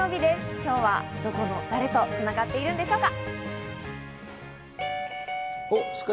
今日はどこの誰とつながっているんでしょうか？